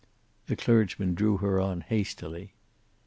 The clergyman drew her on hastily.